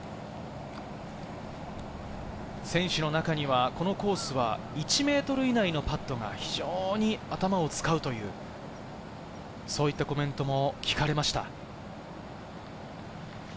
選手の中には、このコースは１ｍ以内のパットが非常に頭を使うという、そういったコメントも聞かれました。